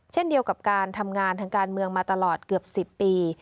เช่นเดียวกับการทำงานทางการเมืองมาตลอดเกือบ๑๐ปี